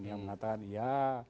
yang mengatakan ya